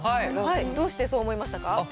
どうしてそう思いましたか？